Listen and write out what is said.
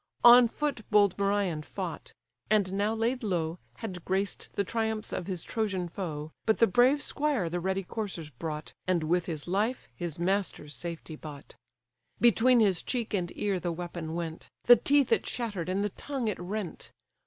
On foot bold Merion fought; and now laid low, Had graced the triumphs of his Trojan foe, But the brave squire the ready coursers brought, And with his life his master's safety bought. Between his cheek and ear the weapon went, The teeth it shatter'd, and the tongue it rent.